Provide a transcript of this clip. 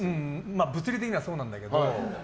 物理的にはそうなんだけど。